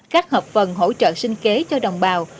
các hợp phần hỗ trợ sinh kế cho đồng bào